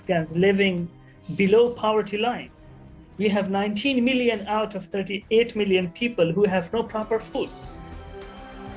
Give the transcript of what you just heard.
kita memiliki sembilan belas juta dari tiga puluh delapan juta orang yang tidak memiliki makanan yang tepat